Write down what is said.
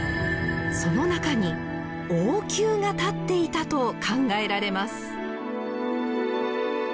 その中に王宮が立っていたと考えられます。